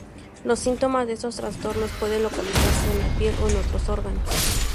Los síntomas de estos trastornos pueden localizarse en la piel o en otros órganos.